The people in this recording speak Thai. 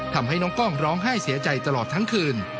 ทำให้น้องกล้องร้องไห้เสียใจตลอดทั้งคืน